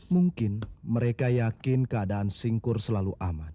mungkin mereka yakin keadaan singkur selalu aman